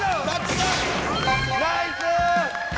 ナイス！